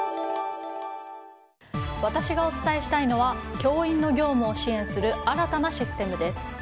私がお伝えしたいのは教員の業務を支援する新たなシステムです。